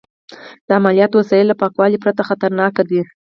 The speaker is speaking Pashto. د عملیاتو وسایل له پاکوالي پرته خطرناک دي.